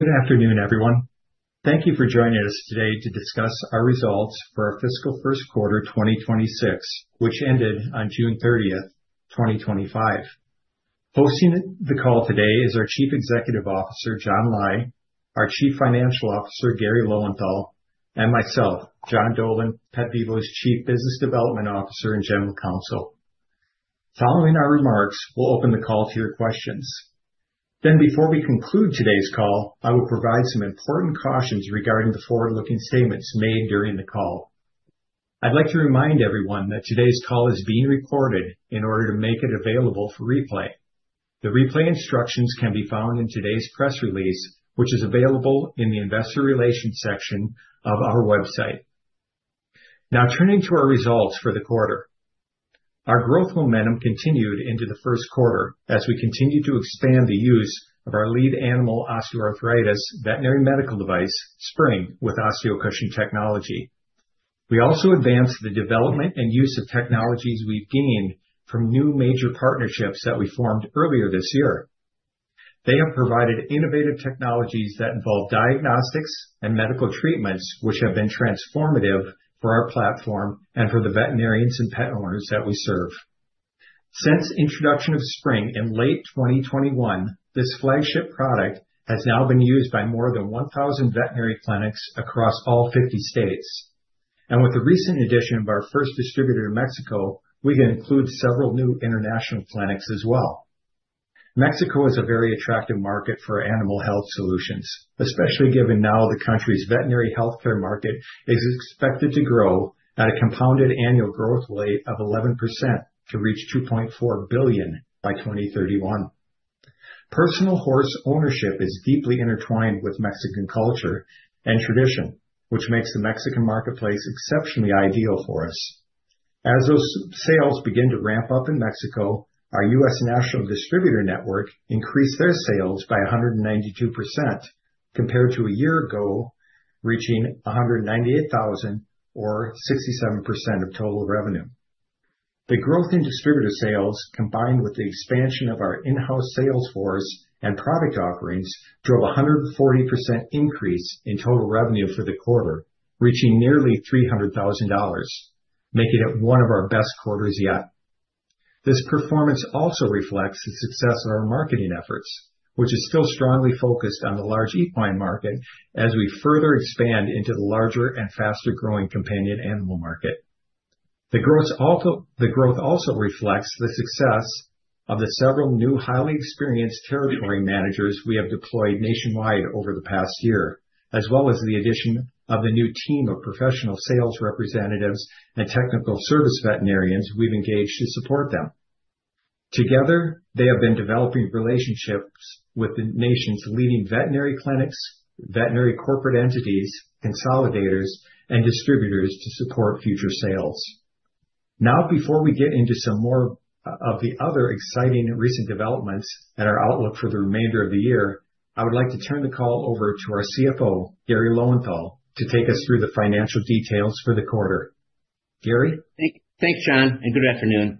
Good afternoon, everyone. Thank you for joining us today to discuss our results for our Fiscal First Quarter 2026, which ended on June 30th 2025. Hosting the call today is our Chief Executive Officer, John Lai, our Chief Financial Officer, Garry Lowenthal, and myself, John Dolan, PetVivo's Chief Business Development Officer and General Counsel. Following our remarks, we'll open the call to your questions. Before we conclude today's call, I will provide some important cautions regarding the forward-looking statements made during the call. I'd like to remind everyone that today's call is being recorded in order to make it available for replay. The replay instructions can be found in today's press release, which is available in the investor relations section of our website. Now, turning to our results for the quarter, our growth momentum continued into the first quarter as we continued to expand the use of our lead animal osteoarthritis veterinary medical device, SPRYNG with OsteoCushion technology. We also advanced the development and use of technologies we've gained from new major partnerships that we formed earlier this year. They have provided innovative technologies that involve diagnostics and medical treatments, which have been transformative for our platform and for the veterinarians and pet owners that we serve. Since the introduction of SPRYNG in late 2021, this flagship product has now been used by more than 1,000 veterinary clinics across all 50 states. With the recent addition of our first distributor in Mexico, we can include several new international clinics as well. Mexico is a very attractive market for animal health solutions, especially given the country's veterinary healthcare market is expected to grow at a compounded annual growth rate of 11% to reach $2.4 billion by 2031. Personal horse ownership is deeply intertwined with Mexican culture and tradition, which makes the Mexican marketplace exceptionally ideal for us. As those sales begin to ramp up in Mexico, our U.S. national distributor network increased their sales by 192% compared to a year ago, reaching $198,000 or 67% of total revenue. The growth in distributor sales, combined with the expansion of our in-house sales force and product offerings, drove a 140% increase in total revenue for the quarter, reaching nearly $300,000, making it one of our best quarters yet. This performance also reflects the success of our marketing efforts, which are still strongly focused on the large equine market as we further expand into the larger and faster-growing companion animal market. The growth also reflects the success of the several new, highly experienced territory managers we have deployed nationwide over the past year, as well as the addition of a new team of professional sales representatives and technical service veterinarians we've engaged to support them. Together, they have been developing relationships with the nation's leading veterinary clinics, veterinary corporate entities, consolidators, and distributors to support future sales. Now, before we get into some more of the other exciting recent developments and our outlook for the remainder of the year, I would like to turn the call over to our CFO, Garry Lowenthal, to take us through the financial details for the quarter. Garry? Thanks, John, and good afternoon.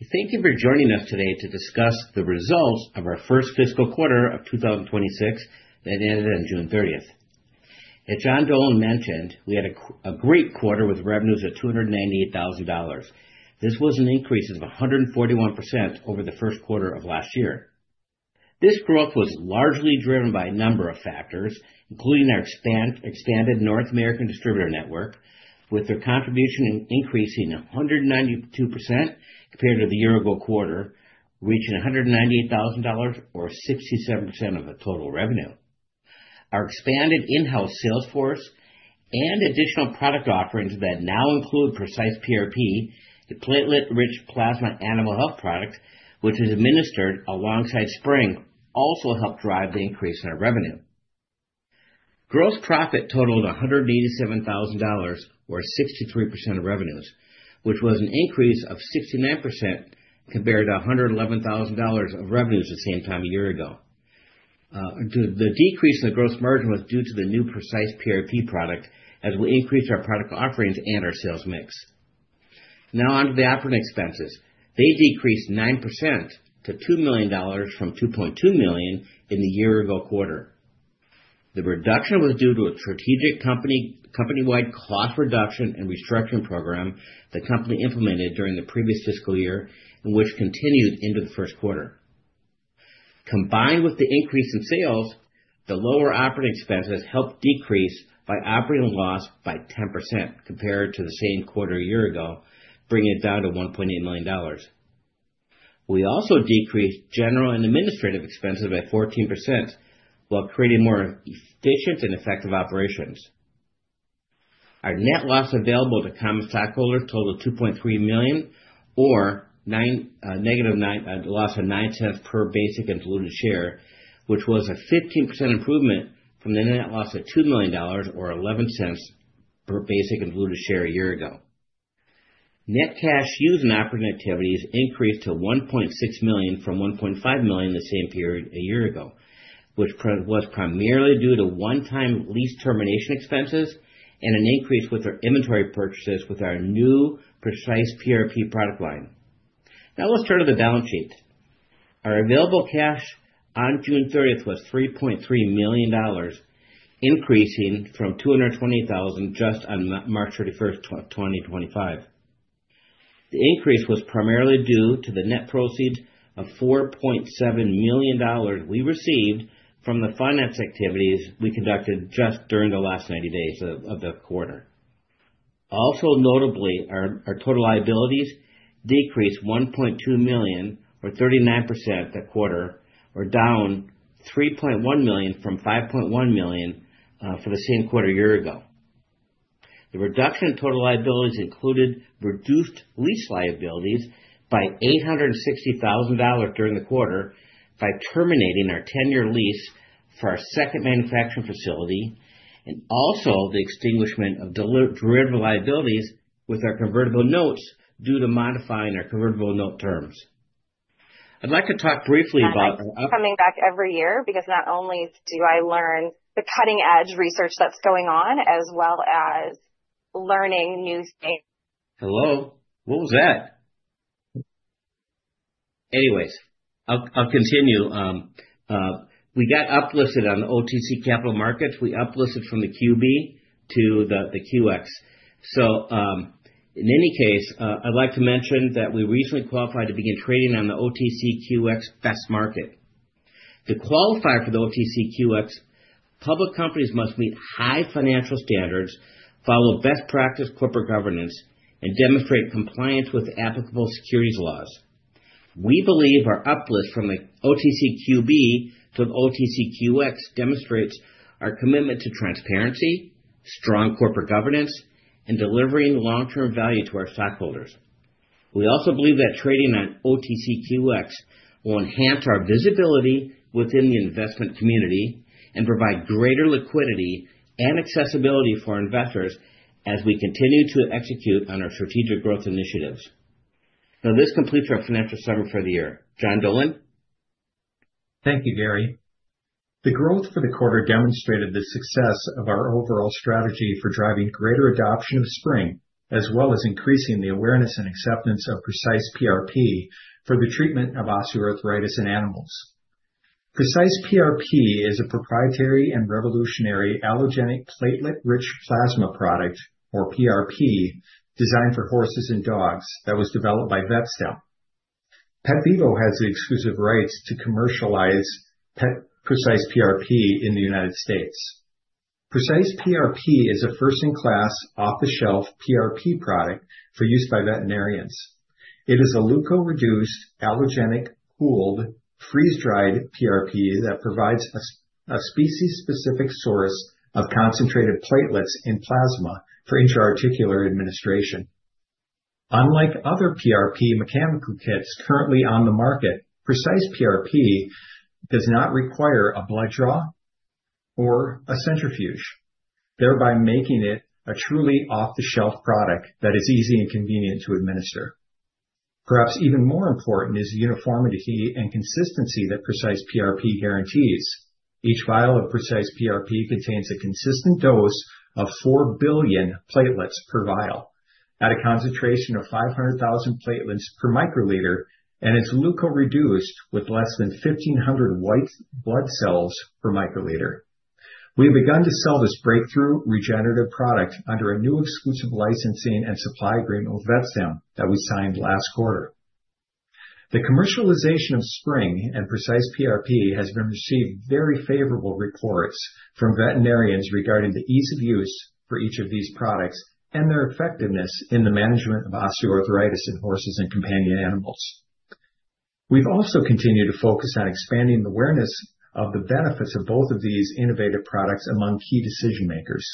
Thank you for joining us today to discuss the results of our first fiscal quarter of 2026 that ended on June 30th. As John Dolan mentioned, we had a great quarter with revenues at $298,000. This was an increase of 141% over the first quarter of last year. This growth was largely driven by a number of factors, including our expanded North American distributor network, with their contribution increasing 192% compared to the year-ago quarter, reaching $198,000 or 67% of the total revenue. Our expanded in-house sales force and additional product offerings that now include PrecisePRP, the platelet-rich plasma animal health product, which is administered alongside SPRYNG, also helped drive the increase in our revenue. Gross profit totaled $187,000 or 63% of revenues, which was an increase of 69% compared to $111,000 of revenues at the same time a year ago. The decrease in the gross margin was due to the new PrecisePRP product, as we increased our product offerings and our sales mix. Now, onto the operating expenses. They decreased 9% to $2 million from $2.2 million in the year-ago quarter. The reduction was due to a strategic company-wide cost reduction and restructuring program the company implemented during the previous fiscal year and which continued into the first quarter. Combined with the increase in sales, the lower operating expenses helped decrease our operating loss by 10% compared to the same quarter a year ago, bringing it down to $1.8 million. We also decreased general and administrative expenses by 14% while creating more efficient and effective operations. Our net loss available to common stockholders totaled $2.3 million or a negative loss of $0.09 per basic and diluted share, which was a 15% improvement from the net loss of $2.7 million or $0.11 per basic and diluted share a year ago. Net cash used in operating activities increased to $1.6 million from $1.5 million in the same period a year ago, which was primarily due to one-time lease termination expenses and an increase with our inventory purchases with our new PrecisePRP product line. Now, let's start at the balance sheet. Our available cash on June 30th was $3.3 million, increasing from $220,000 just on March 31st, 2025. The increase was primarily due to the net proceeds of $4.7 million we received from the finance activities we conducted just during the last 90 days of the quarter. Also, notably, our total liabilities decreased $1.2 million or 39% that quarter, or down $3.1 million from $5.1 million for the same quarter a year ago. The reduction in total liabilities included reduced lease liabilities by $860,000 during the quarter by terminating our 10-year lease for our second manufacturing facility and also the extinguishment of derivative liabilities with our convertible notes due to modifying our convertible note terms. I'd like to talk briefly about. I'm coming back every year because not only do I learn the cutting-edge research that's going on, I also learn new things. What was that? Anyways, I'll continue. We got uplisted on the OTC capital markets. We uplisted from the QB to the QX. In any case, I'd like to mention that we recently qualified to begin trading on the OTCQX Best Market. To qualify for the OTCQX, public companies must meet high financial standards, follow best practice corporate governance, and demonstrate compliance with applicable securities laws. We believe our uplisting from the OTCQB to the OTCQX demonstrates our commitment to transparency, strong corporate governance, and delivering long-term value to our stockholders. We also believe that trading on OTCQX will enhance our visibility within the investment community and provide greater liquidity and accessibility for investors as we continue to execute on our strategic growth initiatives. This completes our financial summary for the year. John Dolan? Thank you, Garry. The growth for the quarter demonstrated the success of our overall strategy for driving greater adoption of SPRYNG, as well as increasing the awareness and acceptance of PrecisePRP for the treatment of osteoarthritis in animals. PrecisePRP is a proprietary and revolutionary allogenic platelet-rich plasma product, or PRP, designed for horses and dogs that was developed by VetStem. PetVivo has the exclusive rights to commercialize PrecisePRP in the United States. PrecisePRP is a first-in-class, off-the-shelf PRP product for use by veterinarians. It is a leukoreduced, allogenic, cooled, freeze-dried PRP that provides a species-specific source of concentrated platelets in plasma for intra-articular administration. Unlike other PRP mechanical kits currently on the market, PrecisePRP does not require a blood draw or a centrifuge, thereby making it a truly off-the-shelf product that is easy and convenient to administer. Perhaps even more important is the uniformity and consistency that PrecisePRP guarantees. Each vial of PrecisePRP contains a consistent dose of 4 billion platelets per vial at a concentration of 500,000 platelets per microliter, and is leukoreduced with less than 1,500 white blood cells per microliter. We have begun to sell this breakthrough regenerative product under a new exclusive licensing and supply agreement with VetStem that we signed last quarter. The commercialization of SPRYNG and PrecisePRP has been received very favorable reports from veterinarians regarding the ease of use for each of these products and their effectiveness in the management of osteoarthritis in horses and companion animals. We've also continued to focus on expanding the awareness of the benefits of both of these innovative products among key decision-makers.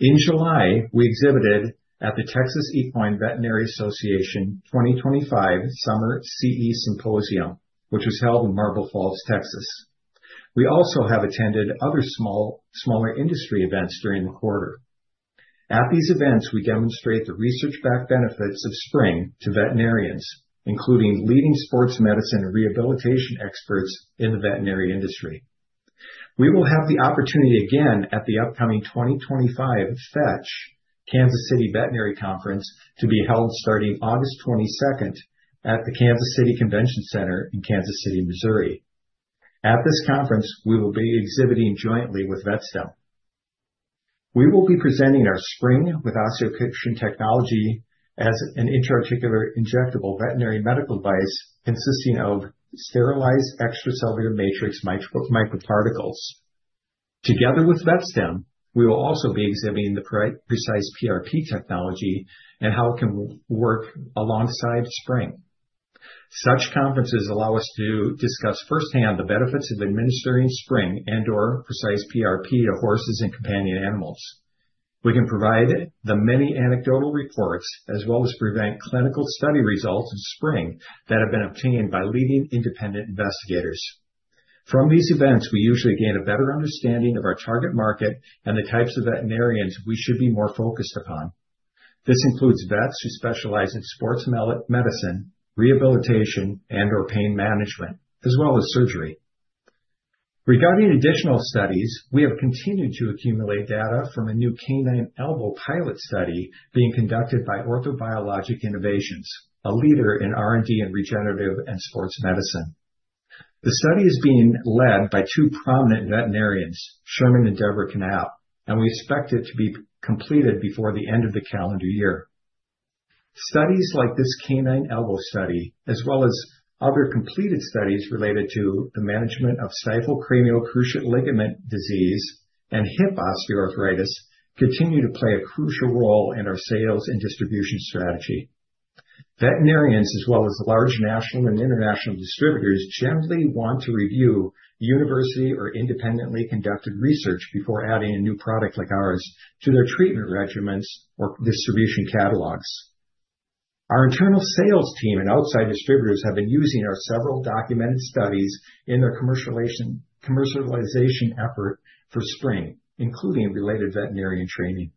In July, we exhibited at the Texas Equine Veterinary Association 2025 Summer CE Symposium, which was held in Marble Falls, Texas. We also have attended other smaller industry events during the quarter. At these events, we demonstrate the research-backed benefits of SPRYNG to veterinarians, including leading sports medicine and rehabilitation experts in the veterinary industry. We will have the opportunity again at the upcoming 2025 Fetch Kansas City Veterinary Conference to be held starting August 22nd at the Kansas City Convention Center in Kansas City, Missouri. At this conference, we will be exhibiting jointly with VetStem. We will be presenting our SPRYNG with OsteoCushion technology as an intra-articular injectable veterinary medical device consisting of sterilized extracellular matrix microparticles. Together with VetStem, we will also be exhibiting the PrecisePRP technology and how it can work alongside SPRYNG. Such conferences allow us to discuss firsthand the benefits of administering SPRYNG and/or PrecisePRP to horses and companion animals. We can provide the many anecdotal reports, as well as present clinical study results of SPRYNG that have been obtained by leading independent investigators. From these events, we usually gain a better understanding of our target market and the types of veterinarians we should be more focused upon. This includes vets who specialize in sports medicine, rehabilitation, and/or pain management, as well as surgery. Regarding additional studies, we have continued to accumulate data from a new canine elbow pilot study being conducted by Orthobiologic Innovations, a leader in R&D in regenerative and sports medicine. The study is being led by two prominent veterinarians, Sherman and Debra Canapp, and we expect it to be completed before the end of the calendar year. Studies like this canine elbow study, as well as other completed studies related to the management of stifle cranial cruciate ligament disease and hip osteoarthritis, continue to play a crucial role in our sales and distribution strategy. Veterinarians, as well as large national and international distributors, generally want to review university or independently conducted research before adding a new product like ours to their treatment regimens or distribution catalogs. Our internal sales team and outside distributors have been using our several documented studies in their commercialization effort for SPRYNG, including related veterinarian training.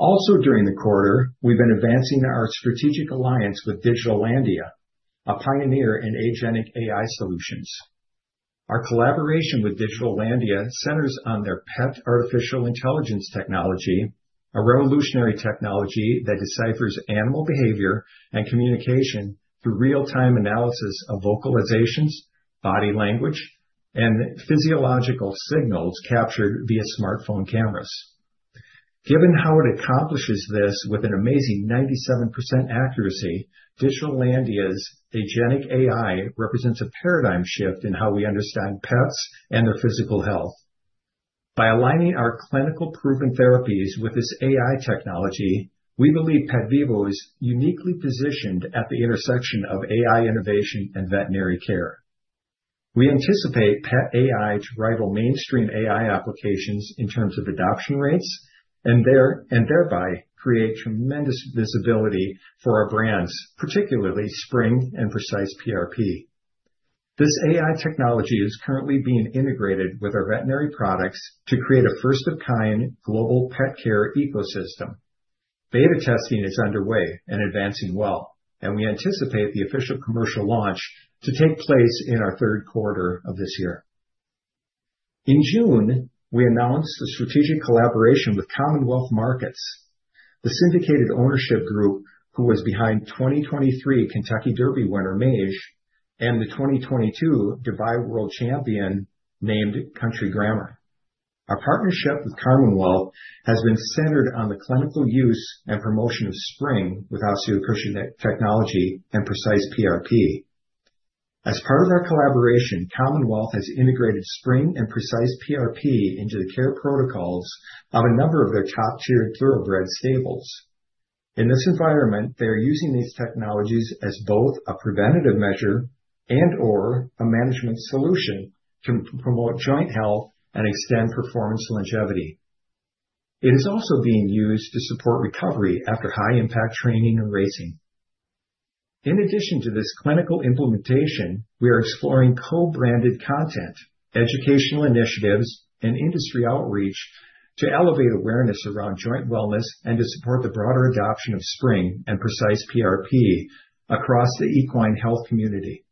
Also, during the quarter, we've been advancing our strategic alliance with Digital Landia, a pioneer in agentic AI solutions. Our collaboration with Digital Landia centers on their Pet Artificial Intelligence technology, a revolutionary technology that deciphers animal behavior and communication through real-time analysis of vocalizations, body language, and physiological signals captured via smartphone cameras. Given how it accomplishes this with an amazing 97% accuracy, Digital Landia's agentic AI represents a paradigm shift in how we understand pets and their physical health. By aligning our clinically-proven therapies with this AI technology, we believe PetVivo is uniquely positioned at the intersection of AI innovation and veterinary care. We anticipate PetAI to rival mainstream AI applications in terms of adoption rates and thereby create tremendous visibility for our brands, particularly SPRYNG and PrecisePRP. This AI technology is currently being integrated with our veterinary products to create a first-of-kind global pet care ecosystem. Beta testing is underway and advancing well, and we anticipate the official commercial launch to take place in our third quarter of this year. In June, we announced the strategic collaboration with Commonwealth Markets, the syndicated ownership group who was behind 2023 Kentucky Derby winner Mage and the 2022 Dubai World Champion named Country Grammer. Our partnership with Commonwealth has been centered on the clinical use and promotion of SPRYNG with OsteoCushion technology and PrecisePRP. As part of our collaboration, Commonwealth has integrated SPRYNG and PrecisePRP into the care protocols of a number of their top-tier dual-bred stables. In this environment, they are using these technologies as both a preventative measure and/or a management solution to promote joint health and extend performance longevity. It is also being used to support recovery after high-impact training and racing. In addition to this clinical implementation, we are exploring co-branded content, educational initiatives, and industry outreach to elevate awareness around joint wellness and to support the broader adoption of SPRYNG and PrecisePRP across the equine health community.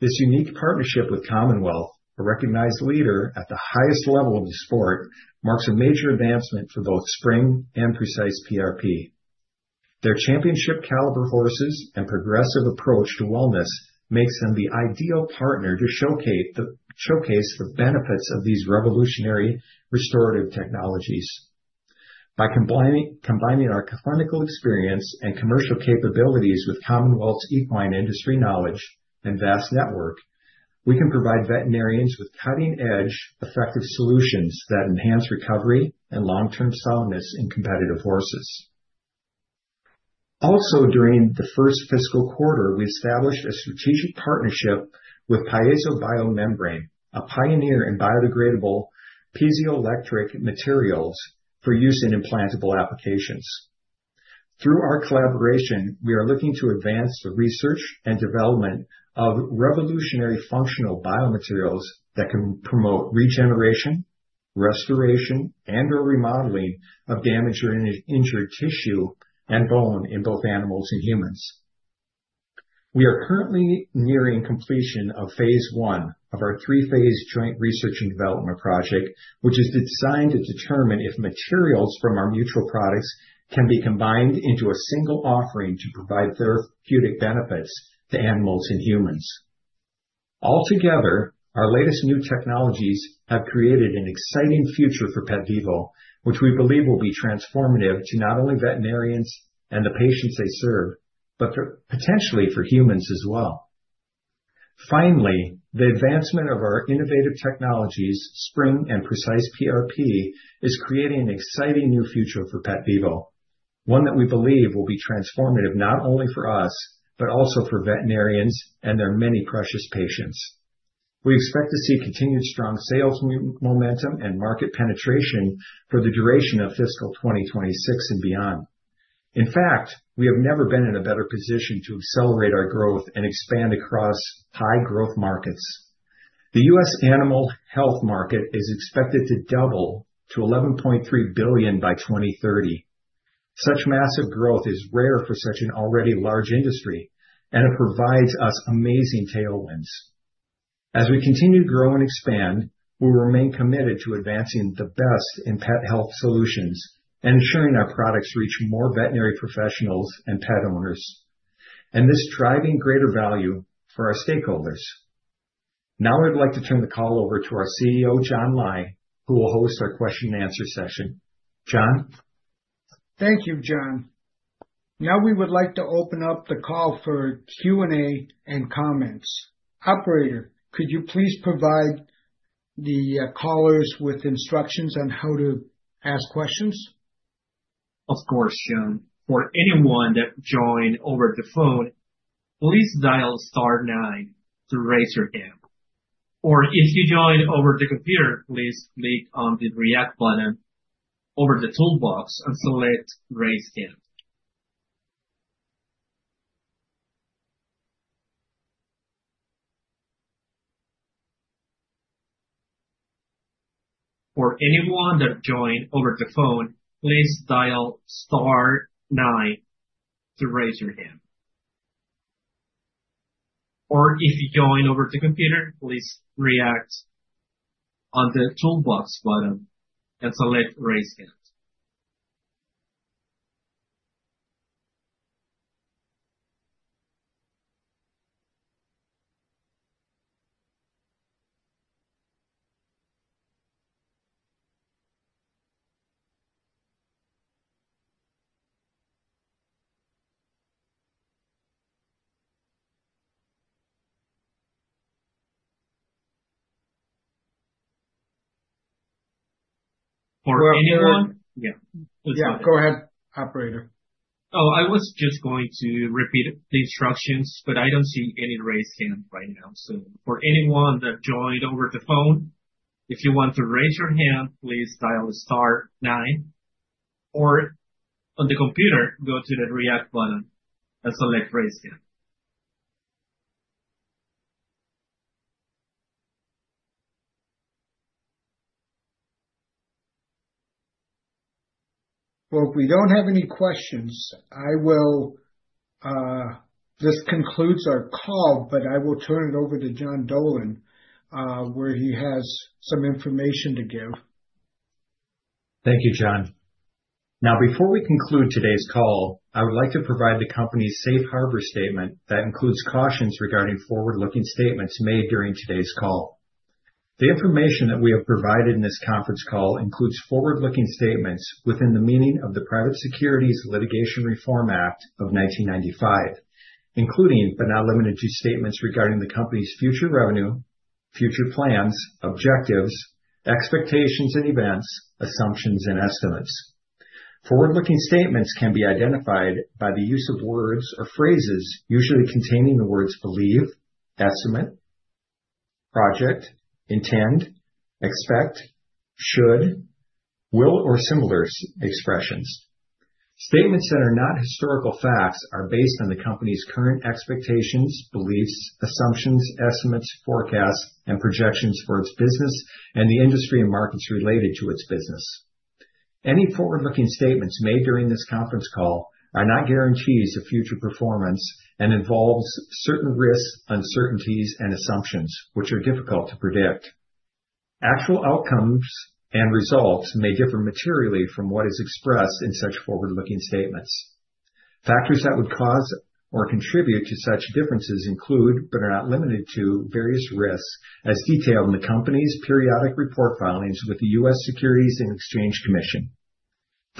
This unique partnership with Commonwealth, a recognized leader at the highest level of the sport, marks a major advancement for both SPRYNG and PrecisePRP. Their championship-caliber horses and progressive approach to wellness make them the ideal partner to showcase the benefits of these revolutionary restorative technologies. By combining our clinical experience and commercial capabilities with Commonwealth's equine industry knowledge and vast network, we can provide veterinarians with cutting-edge, effective solutions that enhance recovery and long-term soundness in competitive horses. Also, during the first fiscal quarter, we established a strategic partnership with PiezoBioMembrane, a pioneer in biodegradable piezoelectric materials for use in implantable applications. Through our collaboration, we are looking to advance the research and development of revolutionary functional biomaterials that can promote regeneration, restoration, and/or remodeling of damaged or injured tissue and bone in both animals and humans. We are currently nearing completion of phase one of our three-phase joint research and development project, which is designed to determine if materials from our mutual products can be combined into a single offering to provide therapeutic benefits to animals and humans. Altogether, our latest new technologies have created an exciting future for PetVivo, which we believe will be transformative to not only veterinarians and the patients they serve, but potentially for humans as well. Finally, the advancement of our innovative technologies, SPRYNG and PrecisePRP, is creating an exciting new future for PetVivo, one that we believe will be transformative not only for us but also for veterinarians and their many precious patients. We expect to see continued strong sales momentum and market penetration for the duration of fiscal 2026 and beyond. In fact, we have never been in a better position to accelerate our growth and expand across high-growth markets. The U.S. animal health market is expected to double to $11.3 billion by 2030. Such massive growth is rare for such an already large industry, and it provides us amazing tailwinds. As we continue to grow and expand, we remain committed to advancing the best in pet health solutions and ensuring our products reach more veterinary professionals and pet owners, and this is driving greater value for our stakeholders. Now, I'd like to turn the call over to our CEO, John Lai, who will host our question and answer session. John? Thank you, John. Now, we would like to open up the call for Q&A and comments. Operator, could you please provide the callers with instructions on how to ask questions? Of course, John. For anyone that joined over the phone, please dial star nine to raise your hand. If you joined over the computer, please click on the react button over the toolbox and select raise hand. For anyone that joined over the phone, please dial star nine to raise your hand. If you joined over the computer, please react on the toolbox button and select raise hand. For anyone. Yeah. Yeah, go ahead, Operator. I was just going to repeat the instructions, but I don't see any raise hand right now. For anyone that joined over the phone, if you want to raise your hand, please dial star nine. On the computer, go to the react button and select raise hand. If we don't have any questions, this concludes our call, but I will turn it over to John Dolan, where he has some information to give. Thank you, John. Now, before we conclude today's call, I would like to provide the company's safe harbor statement that includes cautions regarding forward-looking statements made during today's call. The information that we have provided in this conference call includes forward-looking statements within the meaning of the Private Securities Litigation Reform Act of 1995, including, but not limited to, statements regarding the company's future revenue, future plans, objectives, expectations, and events, assumptions, and estimates. Forward-looking statements can be identified by the use of words or phrases usually containing the words believe, estimate, project, intend, expect, should, will, or similar expressions. Statements that are not historical facts are based on the company's current expectations, beliefs, assumptions, estimates, forecasts, and projections for its business and the industry and markets related to its business. Any forward-looking statements made during this conference call are not guarantees of future performance and involve certain risks, uncertainties, and assumptions which are difficult to predict. Actual outcomes and results may differ materially from what is expressed in such forward-looking statements. Factors that would cause or contribute to such differences include, but are not limited to, various risks as detailed in the company's periodic report filings with the U.S. Securities and Exchange Commission.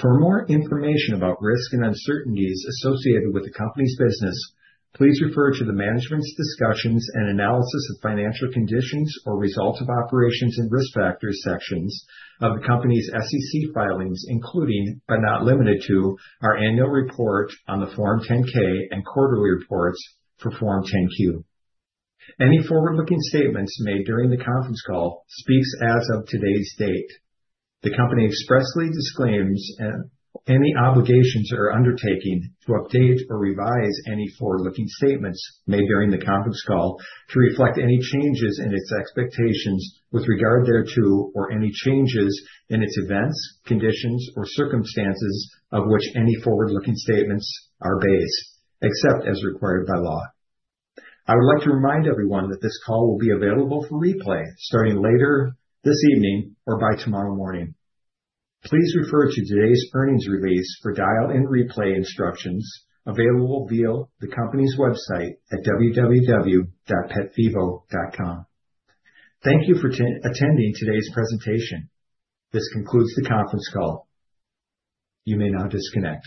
For more information about risks and uncertainties associated with the company's business, please refer to the management's discussions and analysis of financial conditions or results of operations and risk factors sections of the company's SEC filings, including, but not limited to, our annual report on the Form 10-K and quarterly reports for Form 10-Q. Any forward-looking statements made during the conference call speak as of today's date. The company expressly disclaims any obligations that are undertaken to update or revise any forward-looking statements made during the conference call to reflect any changes in its expectations with regard thereto or any changes in its events, conditions, or circumstances of which any forward-looking statements are based, except as required by law. I would like to remind everyone that this call will be available for replay starting later this evening or by tomorrow morning. Please refer to today's earnings release for dial-in replay instructions available via the company's website at www.petvivo.com. Thank you for attending today's presentation. This concludes the conference call. You may now disconnect.